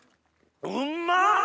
うんま！